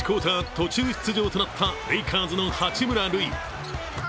途中出場となったレイカーズの八村塁。